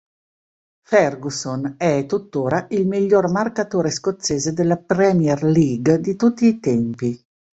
Ferguson è tuttora il miglior marcatore scozzese della Premier League di tutti i tempi.